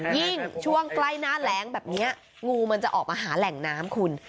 ยิ่งช่วงใกล้หน้าแรงแบบนี้งูมันจะออกมาหาแหล่งน้ำคุณ